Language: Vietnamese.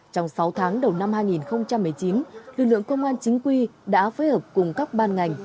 trong sáu tháng đầu năm hai nghìn một mươi chín lực lượng công an chính quy đã phối hợp cùng các ban ngành